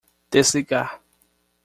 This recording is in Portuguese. Desligar.